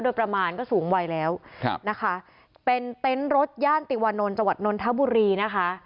โดยประมาณก็สูงวัยแล้วนะคะเป็นเต็นต์รถย่านติวานนท์จังหวัดนนทบุรีนะคะ